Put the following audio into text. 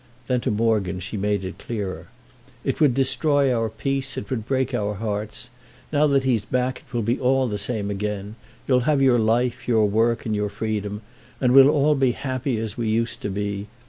Then to Morgan she made it clearer: "It would destroy our peace, it would break our hearts. Now that he's back it will be all the same again. You'll have your life, your work and your freedom, and we'll all be happy as we used to be.